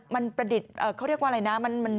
มันประดิษฐ์เขาเรียกว่าอะไรนะ